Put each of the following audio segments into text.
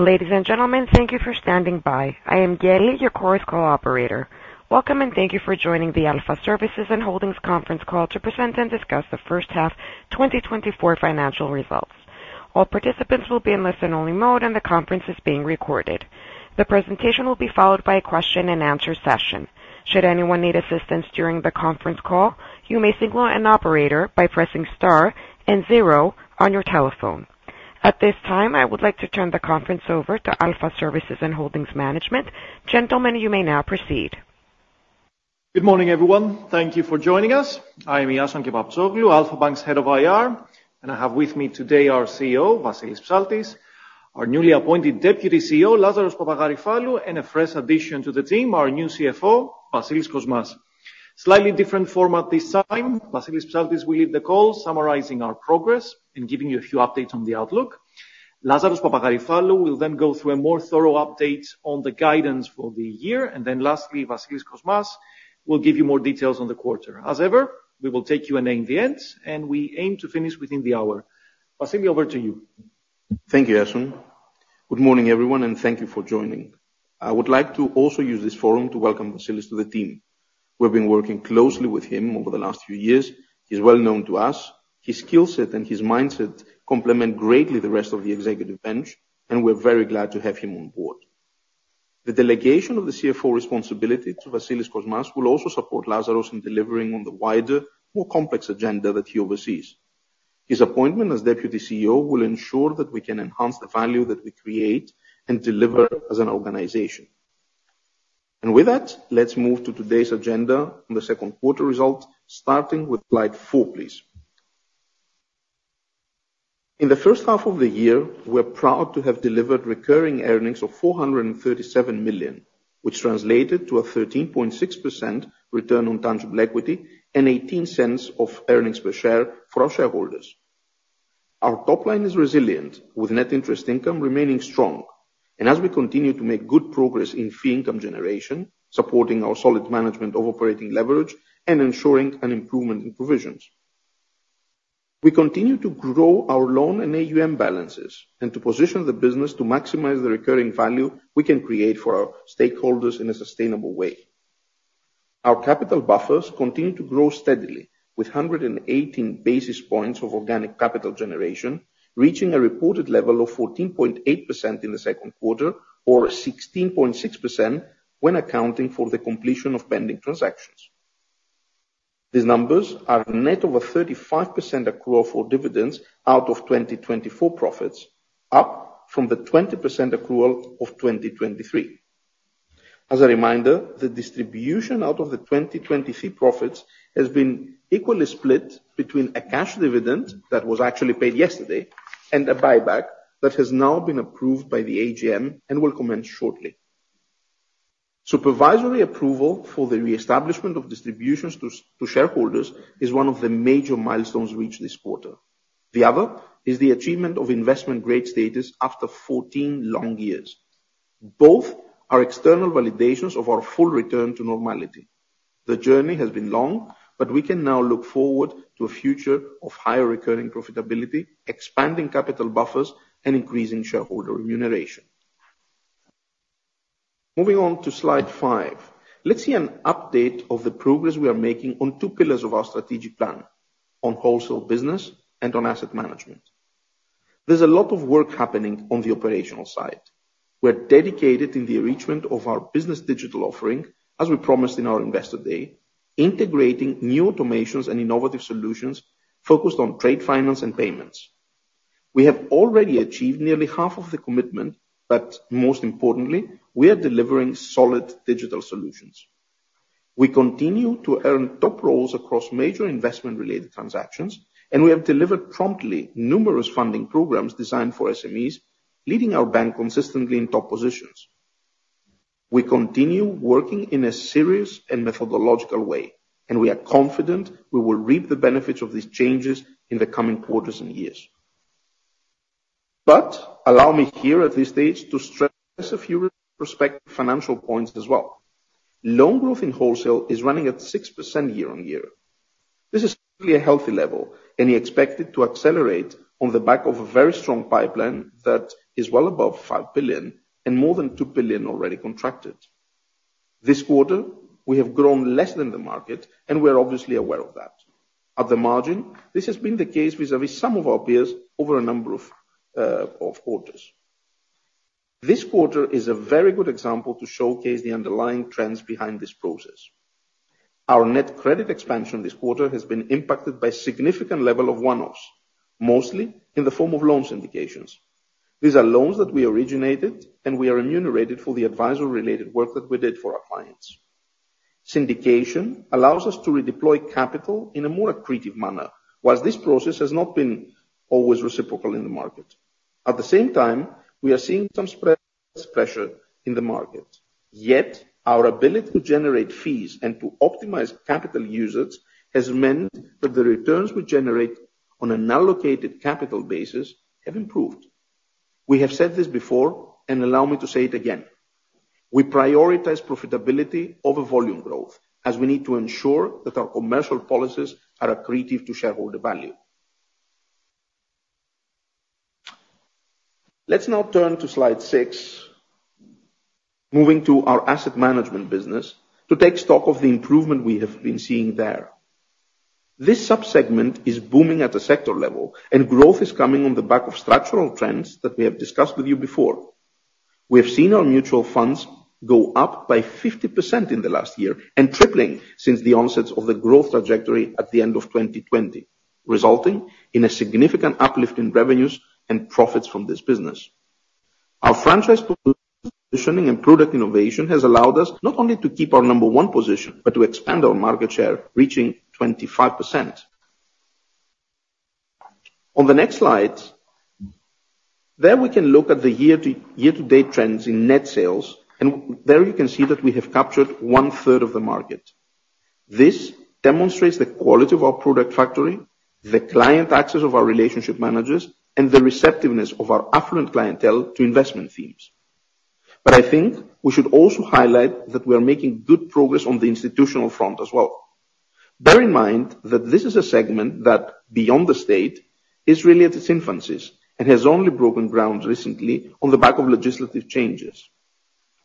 Ladies and gentlemen, thank you for standing by. I am Gaeli, your conference operator. Welcome, and thank you for joining the Alpha Services and Holdings conference call to present and discuss the first half of 2024 financial results. All participants will be in listen-only mode, and the conference is being recorded. The presentation will be followed by a question-and-answer session. Should anyone need assistance during the conference call, you may signal an operator by pressing star and zero on your telephone. At this time, I would like to turn the conference over to Alpha Services and Holdings Management. Gentlemen, you may now proceed. Good morning, everyone. Thank you for joining us. I am Iason Kepaptsoglou, Alpha Bank's Head of IR, and I have with me today our CEO, Vassilios Psaltis, our newly appointed Deputy CEO, Lazaros Papagaryfallou, and a fresh addition to the team, our new CFO, Vassilios Kosmas. Slightly different format this time. Vassilios Psaltis will lead the call, summarizing our progress and giving you a few updates on the outlook. Lazaros Papagaryfallou will then go through a more thorough update on the guidance for the year, and then lastly, Vassilios Kosmas will give you more details on the quarter. As ever, we will take Q&A in the end, and we aim to finish within the hour. Vassilios, over to you. Thank you, Iason. Good morning, everyone, and thank you for joining. I would like to also use this forum to welcome Vassilios to the team. We've been working closely with him over the last few years. He's well known to us. His skill set and his mindset complement greatly the rest of the executive bench, and we're very glad to have him on board. The delegation of the CFO responsibility to Vassilios Kosmas will also support Lazaros in delivering on the wider, more complex agenda that he oversees. His appointment as Deputy CEO will ensure that we can enhance the value that we create and deliver as an organization. With that, let's move to today's agenda on the second quarter results, starting with slide four, please. In the first half of the year, we're proud to have delivered recurring earnings of 437 million, which translated to a 13.6% return on tangible equity and 0.18 of earnings per share for our shareholders. Our top line is resilient, with net interest income remaining strong, and as we continue to make good progress in fee income generation, supporting our solid management of operating leverage and ensuring an improvement in provisions. We continue to grow our loan and AUM balances, and to position the business to maximize the recurring value we can create for our stakeholders in a sustainable way. Our capital buffers continue to grow steadily, with 118 basis points of organic capital generation reaching a reported level of 14.8% in the second quarter, or 16.6% when accounting for the completion of pending transactions. These numbers are net of a 35% accrual for dividends out of 2024 profits, up from the 20% accrual of 2023. As a reminder, the distribution out of the 2023 profits has been equally split between a cash dividend that was actually paid yesterday and a buyback that has now been approved by the AGM and will commence shortly. Supervisory approval for the reestablishment of distributions to shareholders is one of the major milestones reached this quarter. The other is the achievement of investment-grade status after 14 long years. Both are external validations of our full return to normality. The journey has been long, but we can now look forward to a future of higher recurring profitability, expanding capital buffers, and increasing shareholder remuneration. Moving on to slide five, let's see an update of the progress we are making on two pillars of our strategic plan: on wholesale business and on asset management. There's a lot of work happening on the operational side. We're dedicated in the enrichment of our business digital offering, as we promised in our Investor Day, integrating new automations and innovative solutions focused on trade finance and payments. We have already achieved nearly half of the commitment, but most importantly, we are delivering solid digital solutions. We continue to earn top roles across major investment-related transactions, and we have delivered promptly numerous funding programs designed for SMEs, leading our bank consistently in top positions. We continue working in a serious and methodological way, and we are confident we will reap the benefits of these changes in the coming quarters and years. But allow me here, at this stage, to stress a few prospective financial points as well. Loan growth in wholesale is running at 6% year-on-year. This is clearly a healthy level, and you expect it to accelerate on the back of a very strong pipeline that is well above 5 billion and more than 2 billion already contracted. This quarter, we have grown less than the market, and we're obviously aware of that. At the margin, this has been the case vis-à-vis some of our peers over a number of quarters. This quarter is a very good example to showcase the underlying trends behind this process. Our net credit expansion this quarter has been impacted by a significant level of one-offs, mostly in the form of loan syndications. These are loans that we originated, and we are remunerated for the advisory-related work that we did for our clients. Syndication allows us to redeploy capital in a more accretive manner, while this process has not been always reciprocal in the market. At the same time, we are seeing some spread pressure in the market. Yet, our ability to generate fees and to optimize capital usage has meant that the returns we generate on an allocated capital basis have improved. We have said this before, and allow me to say it again. We prioritize profitability over volume growth, as we need to ensure that our commercial policies are accretive to shareholder value. Let's now turn to slide six, moving to our asset management business to take stock of the improvement we have been seeing there. This subsegment is booming at a sector level, and growth is coming on the back of structural trends that we have discussed with you before. We have seen our mutual funds go up by 50% in the last year and tripling since the onset of the growth trajectory at the end of 2020, resulting in a significant uplift in revenues and profits from this business. Our franchise positioning and product innovation has allowed us not only to keep our number one position but to expand our market share, reaching 25%. On the next slide, there we can look at the year-to-date trends in net sales, and there you can see that we have captured one-third of the market. This demonstrates the quality of our product factory, the client access of our relationship managers, and the receptiveness of our affluent clientele to investment themes. But I think we should also highlight that we are making good progress on the institutional front as well. Bear in mind that this is a segment that, beyond the state, is really at its infancy and has only broken ground recently on the back of legislative changes.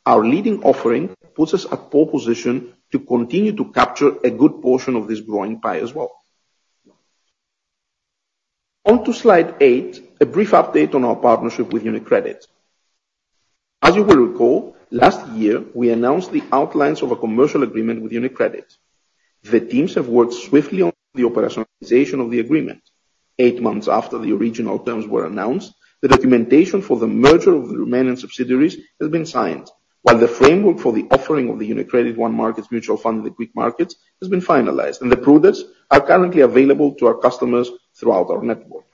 Our leading offering puts us at pole position to continue to capture a good portion of this growing pie as well. Onto slide eight, a brief update on our partnership with UniCredit. As you will recall, last year, we announced the outlines of a commercial agreement with UniCredit. The teams have worked swiftly on the operationalization of the agreement. Eight months after the original terms were announced, the documentation for the merger of the remaining subsidiaries has been signed, while the framework for the offering of the UniCredit onemarkets Fund in the Greek markets has been finalized, and the products are currently available to our customers throughout our network.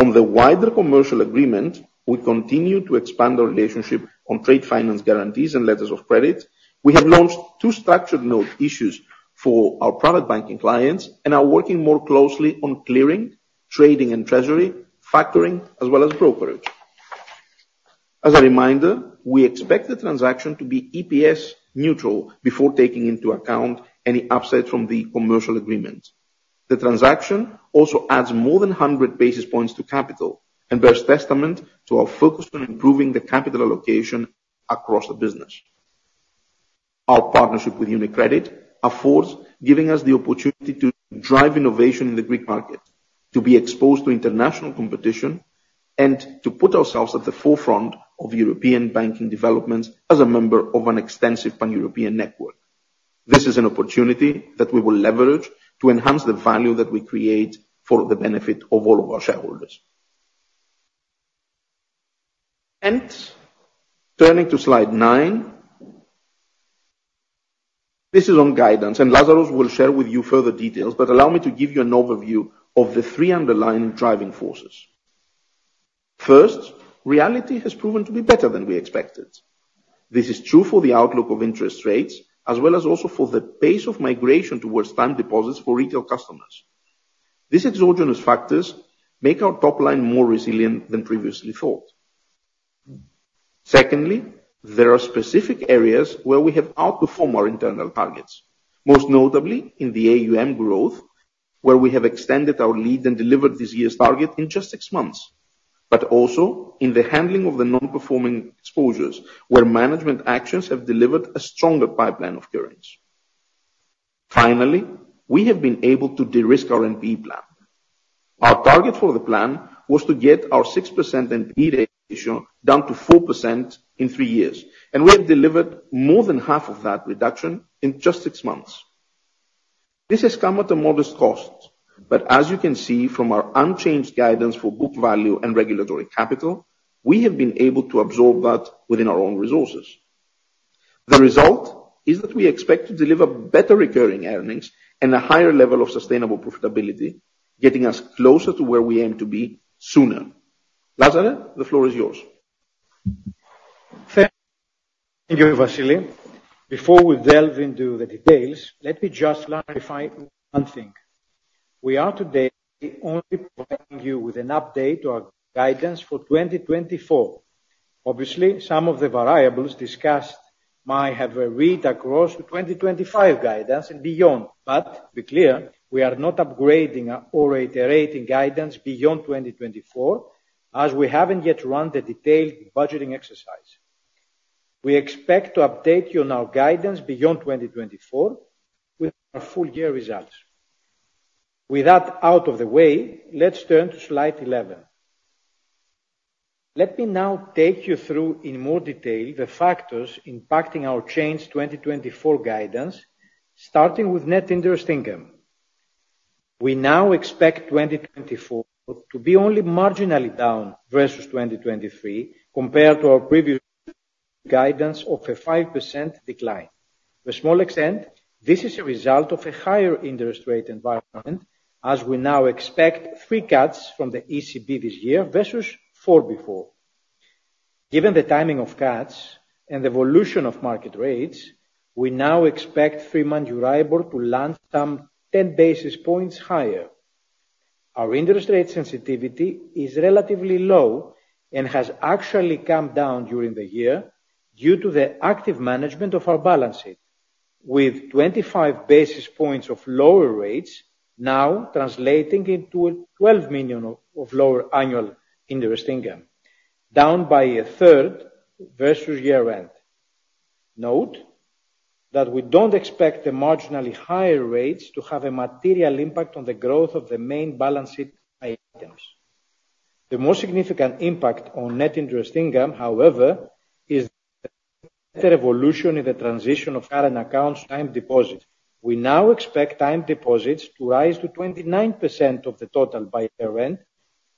On the wider commercial agreement, we continue to expand our relationship on trade finance guarantees and letters of credit. We have launched two structured note issues for our private banking clients and are working more closely on clearing, trading and treasury, factoring, as well as brokerage. As a reminder, we expect the transaction to be EPS neutral before taking into account any upside from the commercial agreement. The transaction also adds more than 100 basis points to capital and bears testament to our focus on improving the capital allocation across the business. Our partnership with UniCredit affords giving us the opportunity to drive innovation in the Greek market, to be exposed to international competition, and to put ourselves at the forefront of European banking developments as a member of an extensive pan-European network. This is an opportunity that we will leverage to enhance the value that we create for the benefit of all of our shareholders. And turning to slide nine, this is on guidance, and Lazaros will share with you further details, but allow me to give you an overview of the three underlying driving forces. First, reality has proven to be better than we expected. This is true for the outlook of interest rates, as well as also for the pace of migration towards time deposits for retail customers. These exogenous factors make our top line more resilient than previously thought. Secondly, there are specific areas where we have outperformed our internal targets, most notably in the AUM growth, where we have extended our lead and delivered this year's target in just six months, but also in the handling of the non-performing exposures, where management actions have delivered a stronger pipeline of cures. Finally, we have been able to de-risk our NPE plan. Our target for the plan was to get our 6% NPE ratio down to 4% in three years, and we have delivered more than half of that reduction in just six months. This has come at a modest cost, but as you can see from our unchanged guidance for book value and regulatory capital, we have been able to absorb that within our own resources. The result is that we expect to deliver better recurring earnings and a higher level of sustainable profitability, getting us closer to where we aim to be sooner. Lazaros, the floor is yours. Thank you, Vassilios. Before we delve into the details, let me just clarify one thing. We are today only providing you with an update to our guidance for 2024. Obviously, some of the variables discussed might have a read across to 2025 guidance and beyond, but to be clear, we are not upgrading or iterating guidance beyond 2024, as we haven't yet run the detailed budgeting exercise. We expect to update you on our guidance beyond 2024 with our full year results. With that out of the way, let's turn to slide 11. Let me now take you through in more detail the factors impacting our changed 2024 guidance, starting with net interest income. We now expect 2024 to be only marginally down versus 2023 compared to our previous guidance of a 5% decline. To a small extent, this is a result of a higher interest rate environment, as we now expect 3 cuts from the ECB this year versus 4 before. Given the timing of cuts and the evolution of market rates, we now expect 3-month Euribor to land some 10 basis points higher. Our interest rate sensitivity is relatively low and has actually come down during the year due to the active management of our balance sheet, with 25 basis points of lower rates now translating into 12 million of lower annual interest income, down by a third versus year-end. Note that we don't expect the marginally higher rates to have a material impact on the growth of the main balance sheet items. The most significant impact on net interest income, however, is the evolution in the transition of current accounts time deposit. We now expect time deposits to rise to 29% of the total by year-end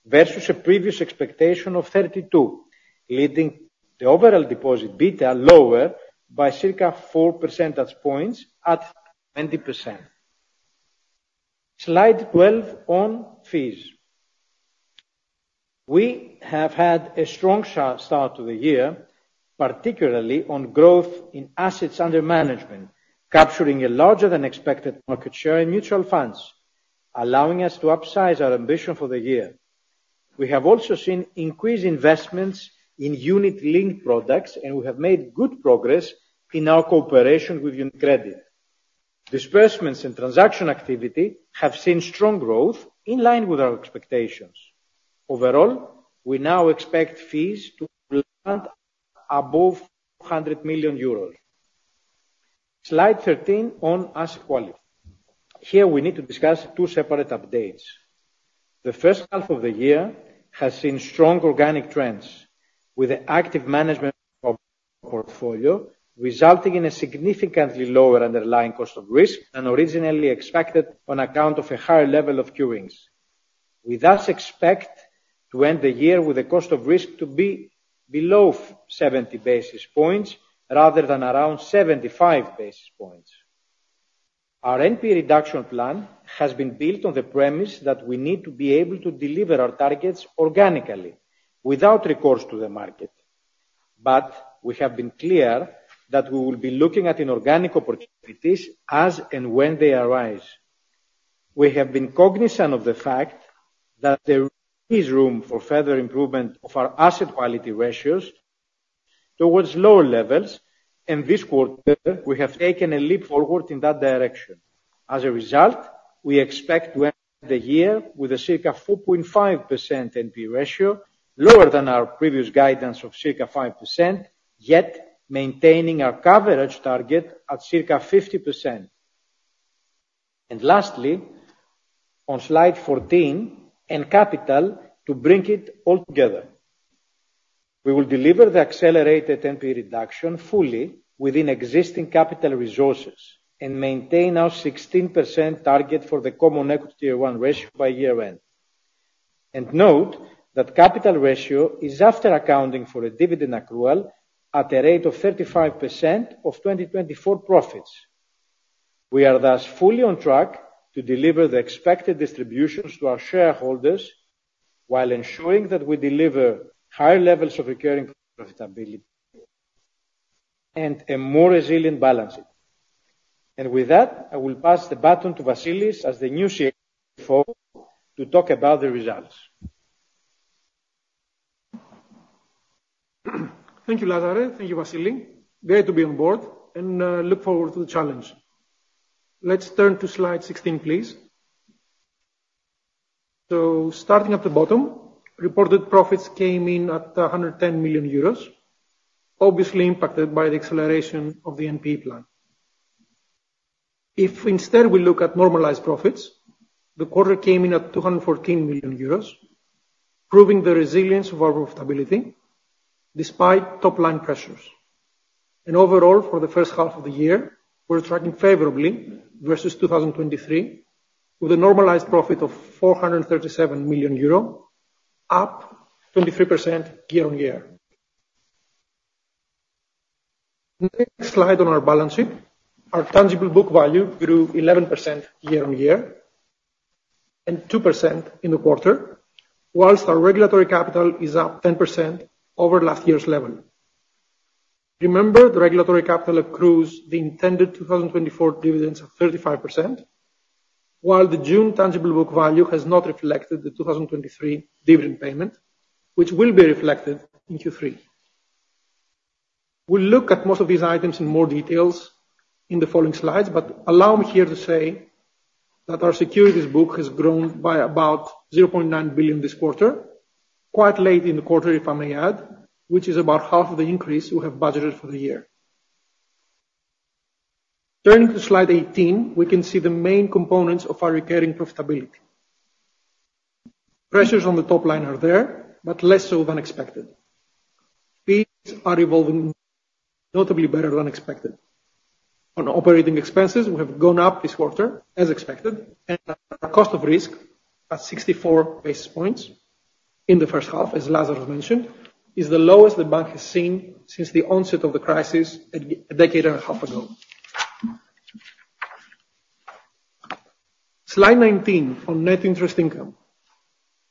versus a previous expectation of 32, leading the overall deposit beta lower by circa 4 percentage points at 20%. Slide 12 on fees. We have had a strong start to the year, particularly on growth in assets under management, capturing a larger than expected market share in mutual funds, allowing us to upsize our ambition for the year. We have also seen increased investments in unit-linked products, and we have made good progress in our cooperation with UniCredit. Disbursements and transaction activity have seen strong growth in line with our expectations. Overall, we now expect fees to land above 400 million euros. Slide 13 on asset quality. Here, we need to discuss two separate updates. The first half of the year has seen strong organic trends with an active management portfolio, resulting in a significantly lower underlying cost of risk than originally expected on account of a higher level of curings. We thus expect to end the year with a cost of risk to be below 70 basis points rather than around 75 basis points. Our NPE reduction plan has been built on the premise that we need to be able to deliver our targets organically without recourse to the market, but we have been clear that we will be looking at inorganic opportunities as and when they arise. We have been cognizant of the fact that there is room for further improvement of our asset quality ratios towards lower levels, and this quarter, we have taken a leap forward in that direction. As a result, we expect to end the year with a circa 4.5% NPE ratio, lower than our previous guidance of circa 5%, yet maintaining our coverage target at circa 50%. Lastly, on slide 14, on capital to bring it all together. We will deliver the accelerated NPE reduction fully within existing capital resources and maintain our 16% target for the CET1 ratio by year-end. Note that capital ratio is after accounting for a dividend accrual at a rate of 35% of 2024 profits. We are thus fully on track to deliver the expected distributions to our shareholders while ensuring that we deliver higher levels of recurring profitability and a more resilient balance sheet. With that, I will pass the baton to Vassilios as the new CFO to talk about the results. Thank you, Lazaros. Thank you, Vassilios. Glad to be on board and look forward to the challenge. Let's turn to slide 16, please. So starting at the bottom, reported profits came in at 110 million euros, obviously impacted by the acceleration of the NPE plan. If instead we look at normalized profits, the quarter came in at 214 million euros, proving the resilience of our profitability despite top-line pressures. Overall, for the first half of the year, we're tracking favorably versus 2023, with a normalized profit of 437 million euro, up 23% year-on-year. Next slide on our balance sheet. Our tangible book value grew 11% year-on-year and 2% in the quarter, while our regulatory capital is up 10% over last year's level. Remember, the regulatory capital accrues the intended 2024 dividends of 35%, while the June tangible book value has not reflected the 2023 dividend payment, which will be reflected in Q3. We'll look at most of these items in more details in the following slides, but allow me here to say that our securities book has grown by about 0.9 billion this quarter, quite late in the quarter, if I may add, which is about half of the increase we have budgeted for the year. Turning to slide 18, we can see the main components of our recurring profitability. Pressures on the top line are there, but less so than expected. Fees are evolving notably better than expected. On operating expenses, we have gone up this quarter, as expected, and our cost of risk at 64 basis points in the first half, as Lazaros mentioned, is the lowest the bank has seen since the onset of the crisis a decade and a half ago. Slide 19 on net interest income.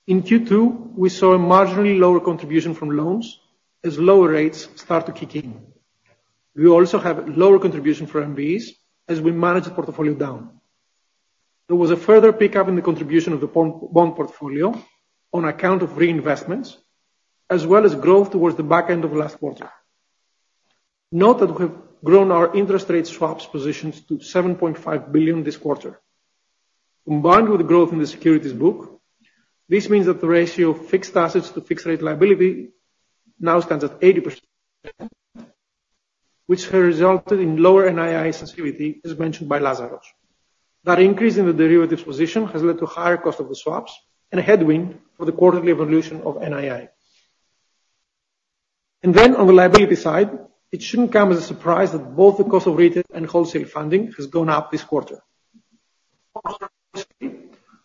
In Q2, we saw a marginally lower contribution from loans as lower rates start to kick in. We also have a lower contribution for NPEs as we manage the portfolio down. There was a further pickup in the contribution of the bond portfolio on account of reinvestments, as well as growth towards the back end of last quarter. Note that we have grown our interest rate swaps position to 7.5 billion this quarter. Combined with the growth in the securities book, this means that the ratio of fixed assets to fixed rate liability now stands at 80%, which has resulted in lower NII sensitivity, as mentioned by Lazaros. That increase in the derivatives position has led to higher cost of the swaps and a headwind for the quarterly evolution of NII. And then on the liability side, it shouldn't come as a surprise that both the cost of retail and wholesale funding has gone up this quarter.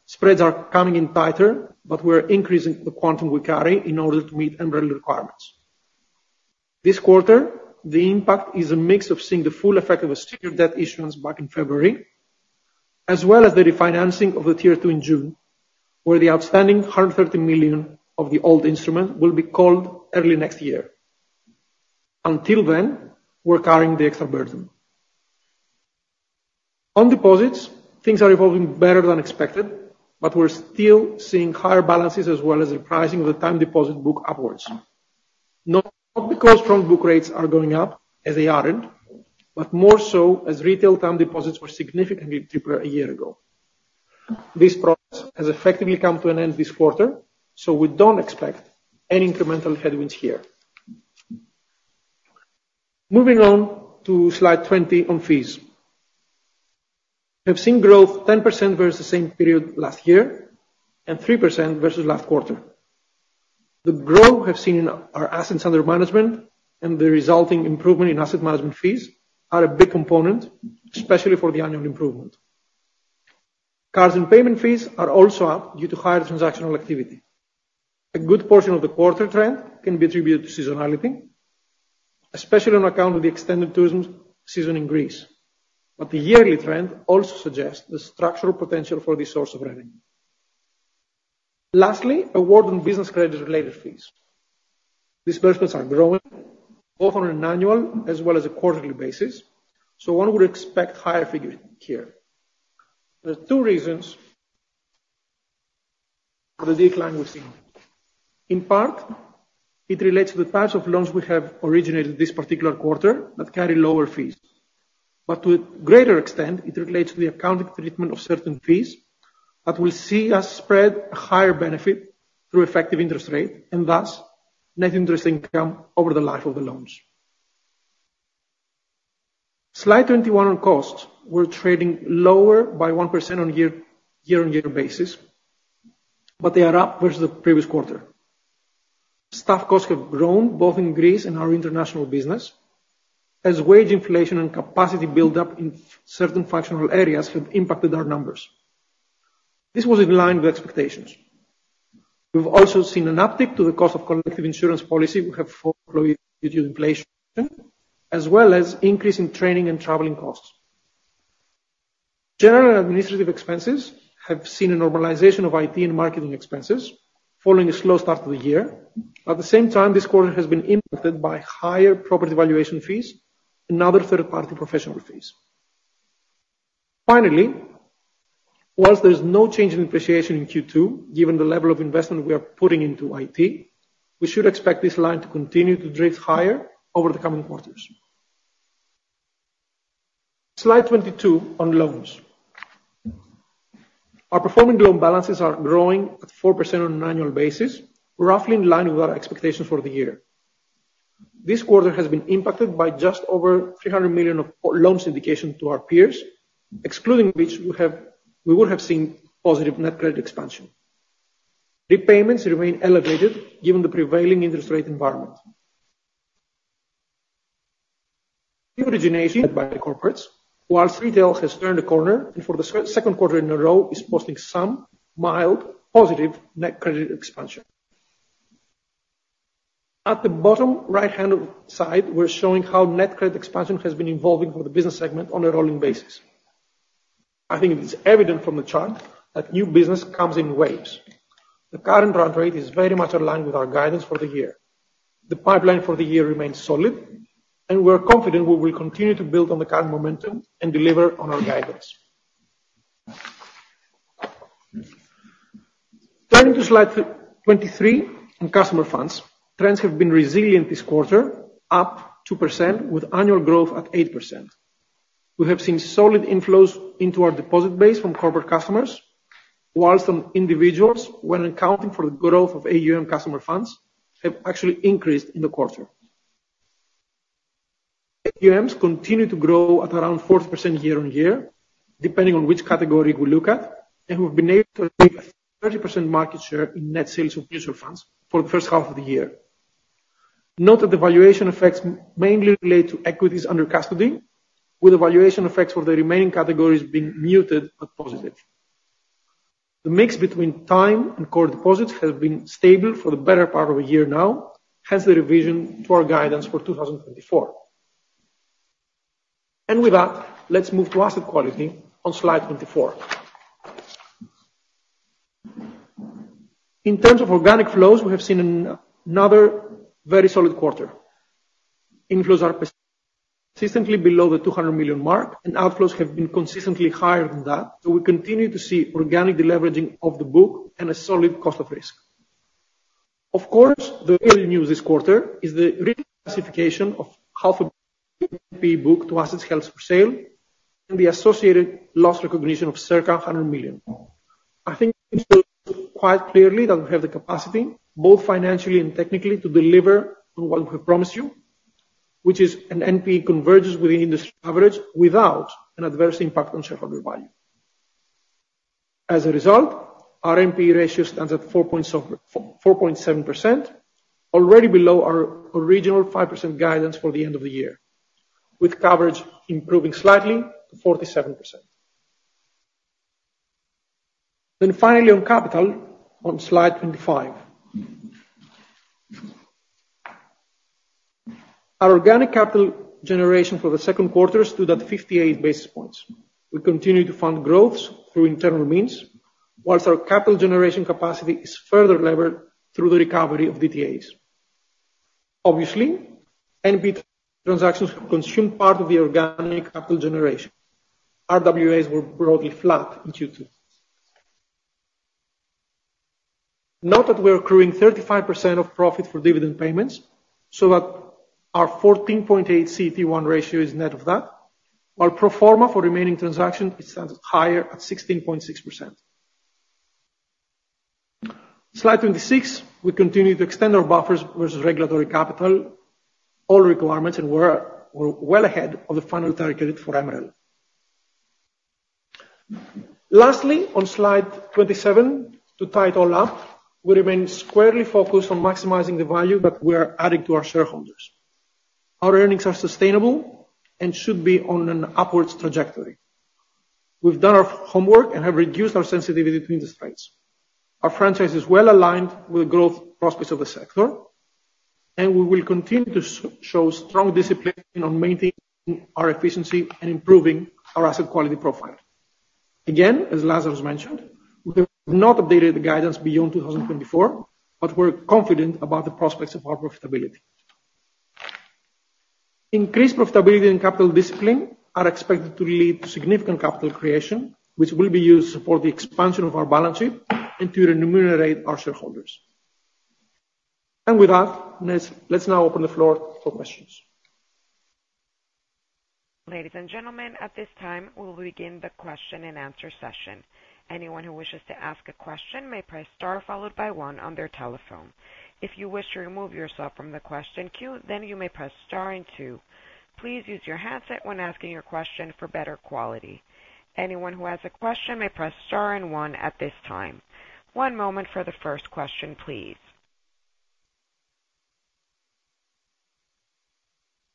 Spreads are coming in tighter, but we are increasing the quantum we carry in order to meet MREL requirements. This quarter, the impact is a mix of seeing the full effect of a senior debt issuance back in February, as well as the refinancing of the Tier 2 in June, where the outstanding 130 million of the old instrument will be called early next year. Until then, we're carrying the extra burden. On deposits, things are evolving better than expected, but we're still seeing higher balances as well as the pricing of the time deposit book upwards. Not because front book rates are going up as they aren't, but more so as retail time deposits were significantly cheaper a year ago. This process has effectively come to an end this quarter, so we don't expect any incremental headwinds here. Moving on to slide 20 on fees. We have seen growth 10% versus the same period last year and 3% versus last quarter. The growth we have seen in our assets under management and the resulting improvement in asset management fees are a big component, especially for the annual improvement. Cards and payment fees are also up due to higher transactional activity. A good portion of the quarter trend can be attributed to seasonality, especially on account of the extended tourism season in Greece, but the yearly trend also suggests the structural potential for this source of revenue. Lastly, award and business credit-related fees. Disbursements are growing, both on an annual as well as a quarterly basis, so one would expect higher figures here. There are two reasons for the decline we've seen. In part, it relates to the types of loans we have originated this particular quarter that carry lower fees, but to a greater extent, it relates to the accounting treatment of certain fees that will see us spread a higher benefit through effective interest rate and thus net interest income over the life of the loans. Slide 21 on costs. We're trading lower by 1% on year-on-year basis, but they are up versus the previous quarter. Staff costs have grown both in Greece and our international business as wage inflation and capacity build-up in certain functional areas have impacted our numbers. This was in line with expectations. We've also seen an uptick in the cost of the collective insurance policy we have for employees due to inflation, as well as increasing training and traveling costs. General administrative expenses have seen a normalization of IT and marketing expenses following a slow start to the year. At the same time, this quarter has been impacted by higher property valuation fees and other third-party professional fees. Finally, while there's no change in depreciation in Q2, given the level of investment we are putting into IT, we should expect this line to continue to drift higher over the coming quarters. Slide 22 on loans. Our performing loan balances are growing at 4% on an annual basis, roughly in line with our expectations for the year. This quarter has been impacted by just over 300 million of loan syndication to our peers, excluding which we would have seen positive net credit expansion. Repayments remain elevated given the prevailing interest rate environment. Originations by corporates, while retail has turned the corner and for the second quarter in a row is posting some mild positive net credit expansion. At the bottom right-hand side, we're showing how net credit expansion has been evolving for the business segment on a rolling basis. I think it's evident from the chart that new business comes in waves. The current rate is very much aligned with our guidance for the year. The pipeline for the year remains solid, and we're confident we will continue to build on the current momentum and deliver on our guidance. Turning to slide 23 on customer funds, trends have been resilient this quarter, up 2% with annual growth at 8%. We have seen solid inflows into our deposit base from corporate customers, while on individuals, when accounting for the growth of AUM customer funds, have actually increased in the quarter. AUMs continue to grow at around 40% year-on-year, depending on which category we look at, and we've been able to achieve a 30% market share in net sales of mutual funds for the first half of the year. Note that the valuation effects mainly relate to equities under custody, with the valuation effects for the remaining categories being muted but positive. The mix between time and core deposits has been stable for the better part of a year now, hence the revision to our guidance for 2024. And with that, let's move to asset quality on slide 24. In terms of organic flows, we have seen another very solid quarter. Inflows are persistently below the 200 million mark, and outflows have been consistently higher than that, so we continue to see organic deleveraging of the book and a solid cost of risk. Of course, the real news this quarter is the risk classification of half of the NPE book to assets held for sale and the associated loss recognition of circa 100 million. I think it shows quite clearly that we have the capacity, both financially and technically, to deliver on what we promised you, which is an NPE convergence within industry coverage without an adverse impact on shareholder value. As a result, our NPE ratio stands at 4.7%, already below our original 5% guidance for the end of the year, with coverage improving slightly to 47%. Finally, on capital, on slide 25. Our organic capital generation for the second quarter stood at 58 basis points. We continue to fund growths through internal means, while our capital generation capacity is further levered through the recovery of DTAs. Obviously, NPE transactions consumed part of the organic capital generation. RWAs were broadly flat in Q2. Note that we are accruing 35% of profit for dividend payments, so that our 14.8 CET1 ratio is net of that, while pro forma for remaining transactions is higher at 16.6%. slide 26, we continue to extend our buffers versus regulatory capital, all requirements, and we're well ahead of the final target for MREL. Lastly, on slide 27, to tie it all up, we remain squarely focused on maximizing the value that we are adding to our shareholders. Our earnings are sustainable and should be on an upwards trajectory. We've done our homework and have reduced our sensitivity to interest rates. Our franchise is well aligned with the growth prospects of the sector, and we will continue to show strong discipline on maintaining our efficiency and improving our asset quality profile. Again, as Lazaros mentioned, we have not updated the guidance beyond 2024, but we're confident about the prospects of our profitability. Increased profitability and capital discipline are expected to lead to significant capital creation, which will be used to support the expansion of our balance sheet and to remunerate our shareholders. With that, let's now open the floor for questions. Ladies and gentlemen, at this time, we will begin the question and answer session. Anyone who wishes to ask a question may press star followed by one on their telephone. If you wish to remove yourself from the question queue, then you may press star and two. Please use your handset when asking your question for better quality. Anyone who has a question may press star and one at this time. One moment for the first question, please.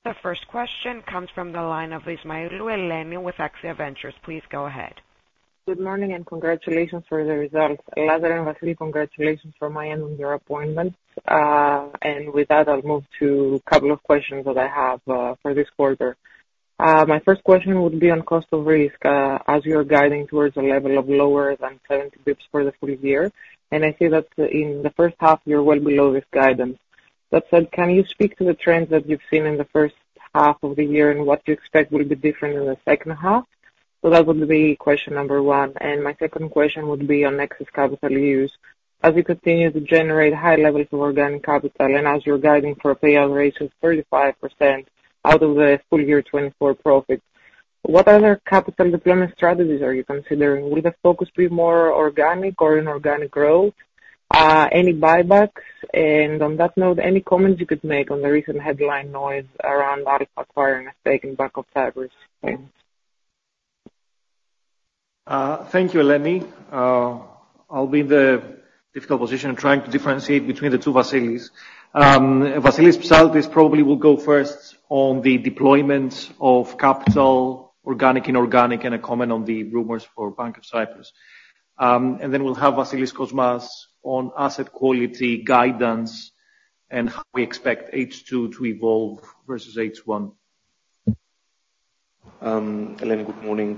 The first question comes from the line of Eleni Ismailou with Axia Ventures. Please go ahead. Good morning and congratulations for the results. Lazaros and Vassilios, congratulations from everyone on your appointment. And with that, I'll move to a couple of questions that I have for this quarter. My first question would be on cost of risk as you're guiding towards a level of lower than 70 basis points for the full year, and I see that in the first half, you're well below this guidance. That said, can you speak to the trends that you've seen in the first half of the year and what you expect will be different in the second half? So that would be question number one. And my second question would be on excess capital use. As you continue to generate high levels of organic capital and as you're guiding for a payout ratio of 35% out of the full year 2024 profit, what other capital deployment strategies are you considering? Will the focus be more organic or inorganic growth? Any buybacks? On that note, any comments you could make on the recent headline noise around Alpha acquiring and taking a stake in Cyprus? Thank you, Eleni. I'll be in the difficult position of trying to differentiate between the two Vassilios. Vassilios Psaltis probably will go first on the deployments of capital, organic, inorganic, and a comment on the rumors for Bank of Cyprus. Then we'll have Vassilios Kosmas on asset quality guidance and how we expect H2 to evolve versus H1. Eleni, good morning.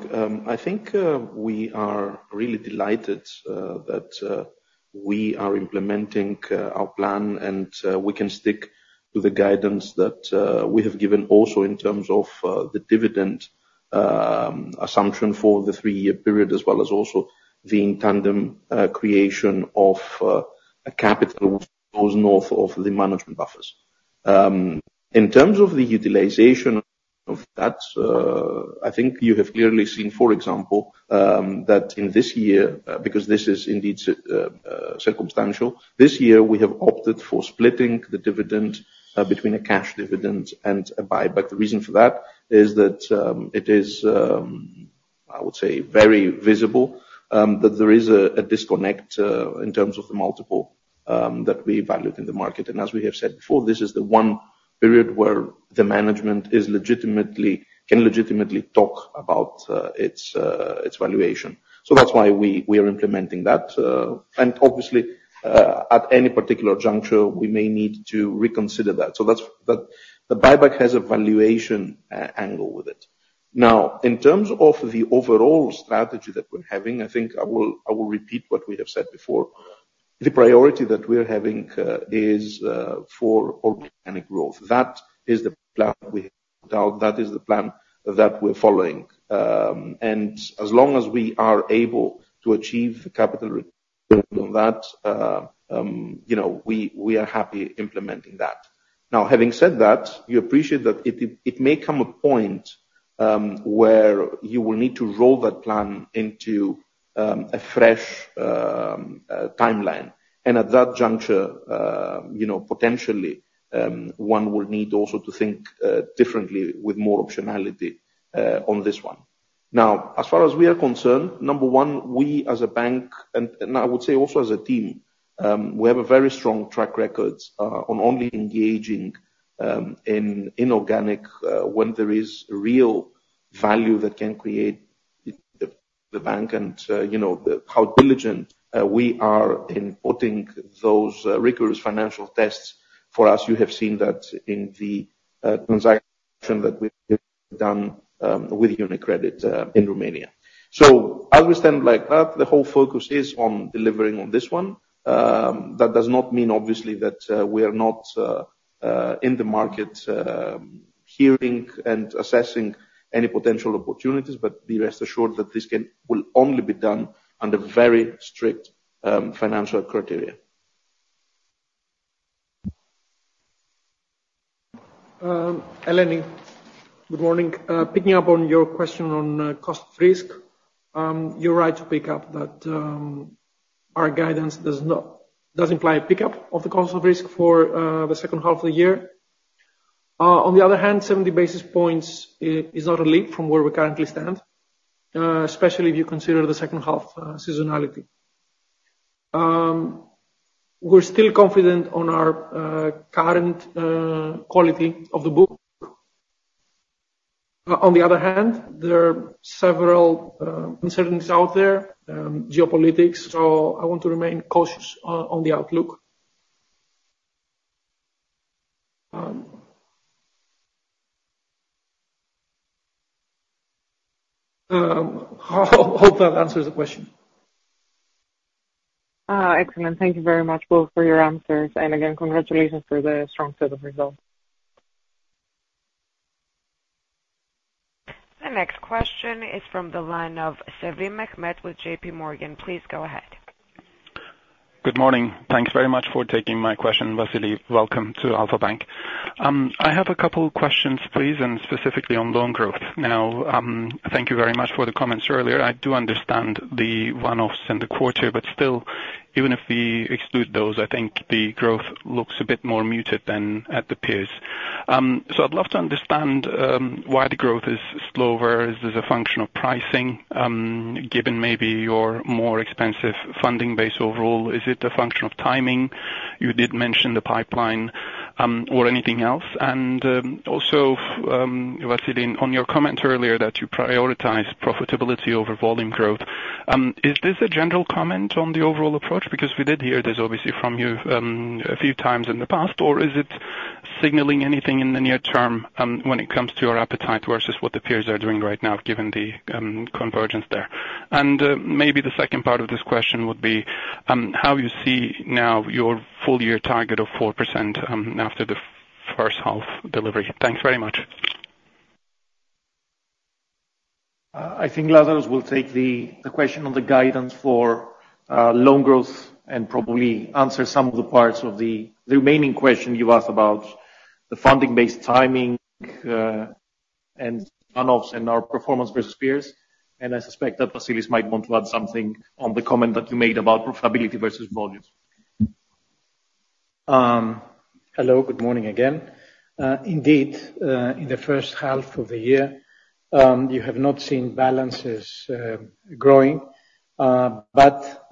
I think we are really delighted that we are implementing our plan and we can stick to the guidance that we have given also in terms of the dividend assumption for the three-year period, as well as also the in-tandem creation of capital that goes north of the management buffers. In terms of the utilization of that, I think you have clearly seen, for example, that in this year, because this is indeed circumstantial, this year we have opted for splitting the dividend between a cash dividend and a buyback. The reason for that is that it is, I would say, very visible that there is a disconnect in terms of the multiple that we value in the market. And as we have said before, this is the one period where the management can legitimately talk about its valuation. So that's why we are implementing that. And obviously, at any particular juncture, we may need to reconsider that. So the buyback has a valuation angle with it. Now, in terms of the overall strategy that we're having, I think I will repeat what we have said before. The priority that we are having is for organic growth. That is the plan we have put out. That is the plan that we're following. As long as we are able to achieve the capital return on that, we are happy implementing that. Now, having said that, you appreciate that it may come a point where you will need to roll that plan into a fresh timeline. At that juncture, potentially, one will need also to think differently with more optionality on this one. Now, as far as we are concerned, number one, we as a bank, and I would say also as a team, we have a very strong track record on only engaging in inorganic when there is real value that can create the bank and how diligent we are in putting those rigorous financial tests for us. You have seen that in the transaction that we've done with UniCredit in Romania. So as we stand like that, the whole focus is on delivering on this one. That does not mean, obviously, that we are not in the market hearing and assessing any potential opportunities, but be rest assured that this will only be done under very strict financial criteria. Eleni, good morning. Picking up on your question on cost of risk, you're right to pick up that our guidance does imply a pickup of the cost of risk for the second half of the year. On the other hand, 70 basis points is not a leap from where we currently stand, especially if you consider the second half seasonality. We're still confident on our current quality of the book. On the other hand, there are several uncertainties out there, geopolitics, so I want to remain cautious on the outlook. I hope that answers the question. Excellent. Thank you very much, both, for your answers. Again, congratulations for the strong set of results. The next question is from the line of Mehmet Sevim with JPMorgan. Please go ahead. Good morning. Thanks very much for taking my question, Vassilios. Welcome to Alpha Bank. I have a couple of questions, please, and specifically on loan growth. Now, thank you very much for the comments earlier. I do understand the one-offs in the quarter, but still, even if we exclude those, I think the growth looks a bit more muted than at the peers. So I'd love to understand why the growth is slower. Is this a function of pricing, given maybe your more expensive funding base overall? Is it a function of timing? You did mention the pipeline or anything else. And also, Vassilios, on your comment earlier that you prioritize profitability over volume growth, is this a general comment on the overall approach? Because we did hear this, obviously, from you a few times in the past, or is it signaling anything in the near term when it comes to your appetite versus what the peers are doing right now, given the convergence there? And maybe the second part of this question would be how you see now your full-year target of 4% after the first half delivery. Thanks very much. I think Lazaros will take the question on the guidance for loan growth and probably answer some of the parts of the remaining question you asked about the funding-based timing and one-offs and our performance versus peers. And I suspect that Vassilios might want to add something on the comment that you made about profitability versus volumes. Hello, good morning again. Indeed, in the first half of the year, you have not seen balances growing, but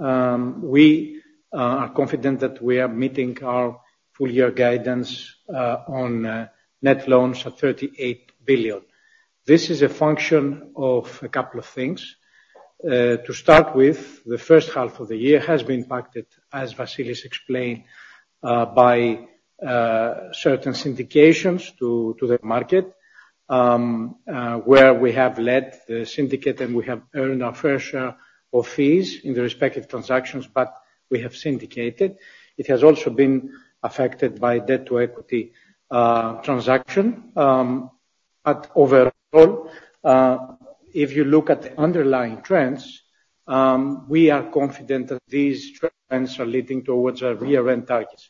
we are confident that we are meeting our full-year guidance on net loans at 38 billion. This is a function of a couple of things. To start with, the first half of the year has been impacted, as Vassilios explained, by certain syndications to the market, where we have led the syndicate and we have earned our fair share of fees in the respective transactions, but we have syndicated. It has also been affected by debt-to-equity transaction. But overall, if you look at the underlying trends, we are confident that these trends are leading towards our year-end targets.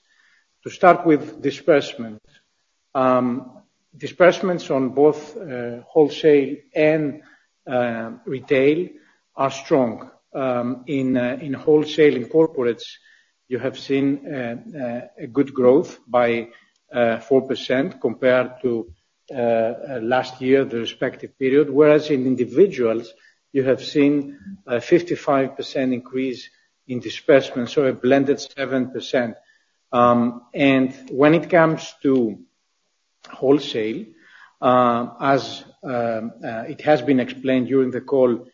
To start with, disbursements. Disbursements on both wholesale and retail are strong. In wholesale and corporates, you have seen a good growth by 4% compared to last year, the respective period, whereas in individuals, you have seen a 55% increase in disbursements, so a blended 7%. When it comes to wholesale, as it has been explained during the call,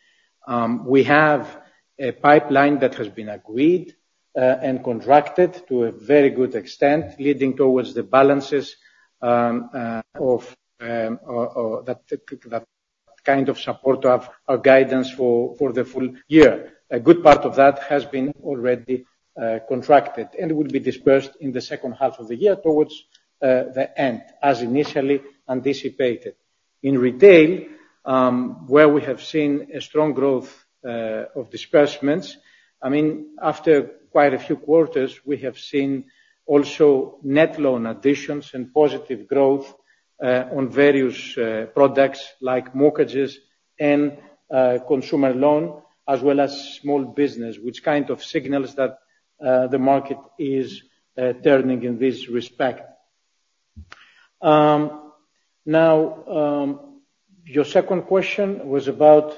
we have a pipeline that has been agreed and contracted to a very good extent, leading towards the balances of that kind of support of our guidance for the full year. A good part of that has been already contracted and will be disbursed in the second half of the year towards the end, as initially anticipated. In retail, where we have seen a strong growth of disbursements, I mean, after quite a few quarters, we have seen also net loan additions and positive growth on various products like mortgages and consumer loan, as well as small business, which kind of signals that the market is turning in this respect. Now, your second question was about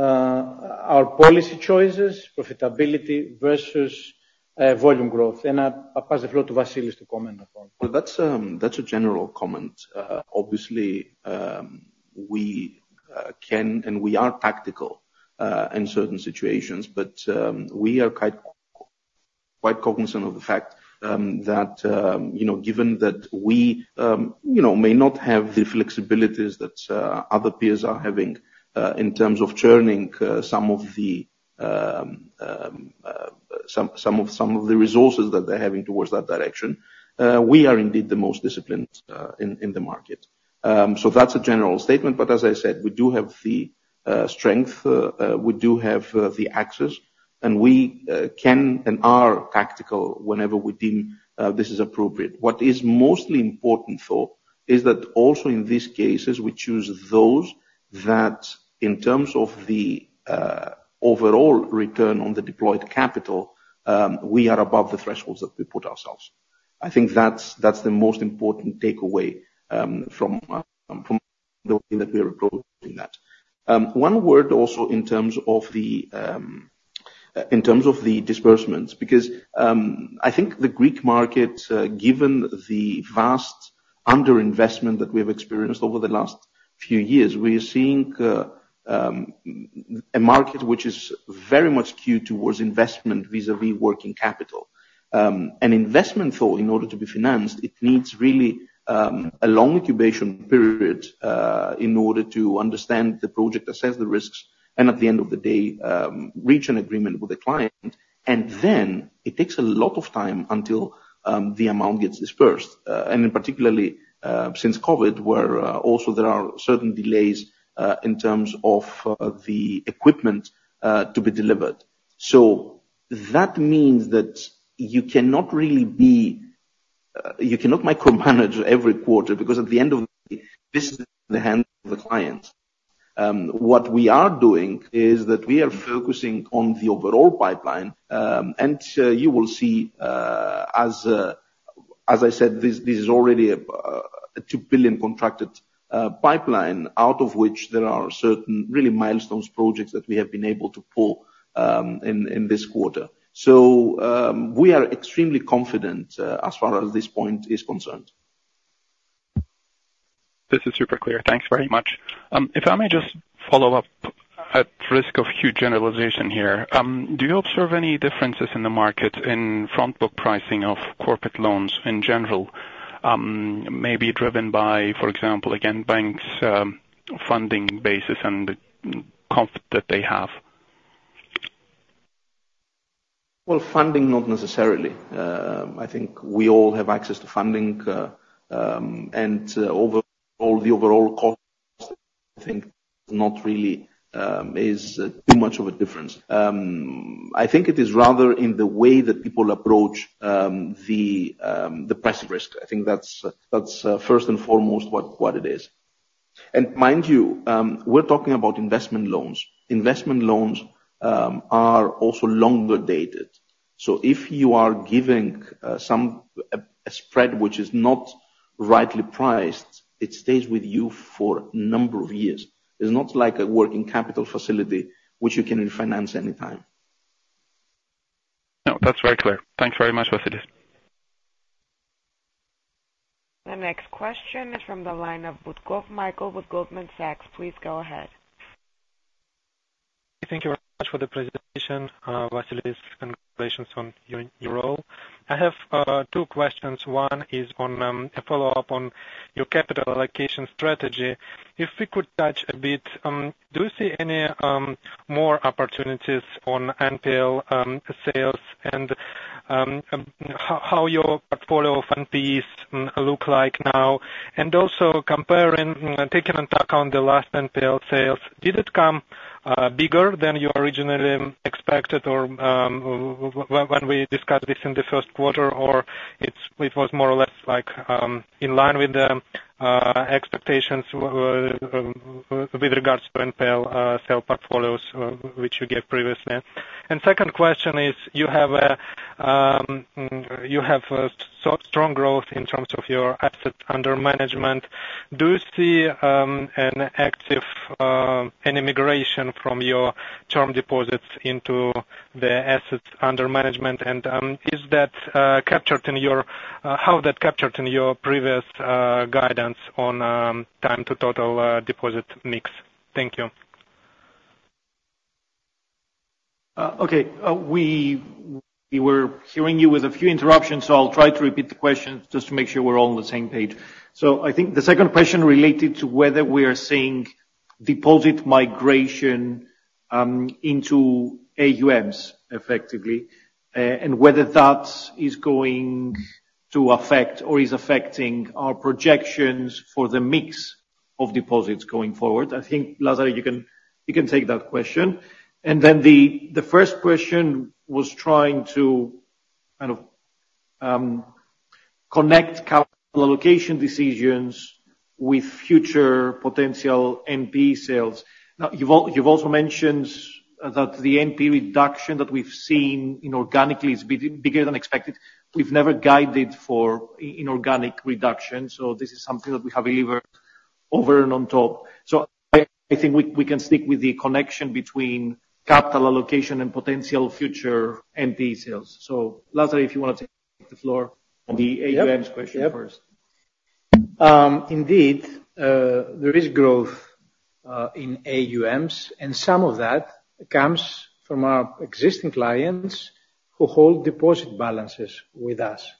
our policy choices, profitability versus volume growth. And I'll pass the floor to Vassilios to comment on that. Well, that's a general comment. Obviously, we can and we are tactical in certain situations, but we are quite cognizant of the fact that given that we may not have the flexibilities that other peers are having in terms of churning some of the resources that they're having towards that direction, we are indeed the most disciplined in the market. So that's a general statement. But as I said, we do have the strength, we do have the access, and we can and are tactical whenever we deem this is appropriate. What is mostly important, though, is that also in these cases, we choose those that in terms of the overall return on the deployed capital, we are above the thresholds that we put ourselves. I think that's the most important takeaway from the way that we are approaching that. One word also in terms of the disbursements, because I think the Greek market, given the vast underinvestment that we have experienced over the last few years, we are seeing a market which is very much skewed towards investment vis-à-vis working capital. An investment, though, in order to be financed, it needs really a long incubation period in order to understand the project, assess the risks, and at the end of the day, reach an agreement with the client. Then it takes a lot of time until the amount gets disbursed. Particularly since COVID, where also there are certain delays in terms of the equipment to be delivered. That means that you cannot really micromanage every quarter because at the end of the day, this is in the hands of the client. What we are doing is that we are focusing on the overall pipeline. You will see, as I said, this is already a 2 billion contracted pipeline, out of which there are certain really milestone projects that we have been able to pull in this quarter. So we are extremely confident as far as this point is concerned. This is super clear. Thanks very much. If I may just follow up at risk of huge generalization here, do you observe any differences in the market in front-book pricing of corporate loans in general, maybe driven by, for example, again, banks' funding basis and the comfort that they have? Well, funding, not necessarily. I think we all have access to funding. And overall, the overall cost, I think, not really is too much of a difference. I think it is rather in the way that people approach the price of risk. I think that's first and foremost what it is. And mind you, we're talking about investment loans. Investment loans are also longer dated. So if you are giving some a spread which is not rightly priced, it stays with you for a number of years. It's not like a working capital facility which you can refinance anytime. No, that's very clear. Thanks very much, Vassilios. The next question is from the line of Mikhail with Goldman Sachs. Please go ahead. Thank you very much for the presentation, Vassilios. Congratulations on your role. I have two questions. One is on a follow-up on your capital allocation strategy. If we could touch a bit, do you see any more opportunities on NPL sales and how your portfolio of NPLs look like now? And also comparing, taking into account the last NPL sales, did it come bigger than you originally expected when we discussed this in the first quarter, or it was more or less in line with the expectations with regards to NPL sale portfolios which you gave previously? And second question is, you have strong growth in terms of your assets under management. Do you see an active migration from your term deposits into the assets under management? And is that captured in your how that captured in your previous guidance on term to total deposit mix? Thank you. Okay. We were hearing you with a few interruptions, so I'll try to repeat the question just to make sure we're all on the same page. So I think the second question related to whether we are seeing deposit migration into AUMs effectively and whether that is going to affect or is affecting our projections for the mix of deposits going forward. I think, Lazaros, you can take that question. And then the first question was trying to kind of connect capital allocation decisions with future potential NPE sales. Now, you've also mentioned that the NPE reduction that we've seen organically is bigger than expected. We've never guided for inorganic reduction, so this is something that we have delivered over and on top. So I think we can stick with the connection between capital allocation and potential future NPE sales. So, Lazaros, if you want to take the floor on the AUMs question first. Indeed, there is growth in AUMs, and some of that comes from our existing clients who hold deposit balances with us.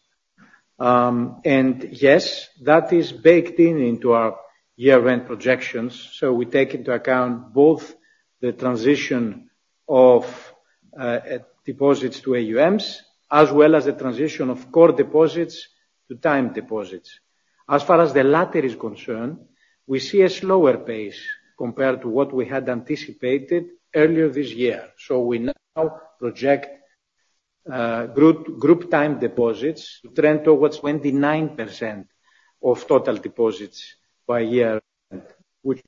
And yes, that is baked into our year-end projections. So we take into account both the transition of deposits to AUMs as well as the transition of core deposits to time deposits. As far as the latter is concerned, we see a slower pace compared to what we had anticipated earlier this year. So we now project group time deposits to trend towards 29% of total deposits by year, which